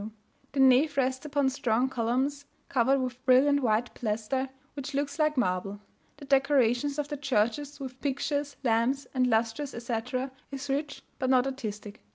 The nave rests upon strong columns covered with brilliant white plaster, which looks like marble. The decorations of the churches with pictures, lamps, and lustres, etc., is rich but not artistic.